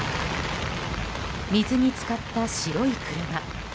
水に浸かった白い車。